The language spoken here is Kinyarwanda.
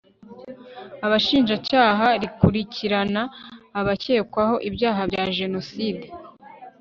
abashinjacyaha rikurikirana abakekwaho ibyaha bya jenoside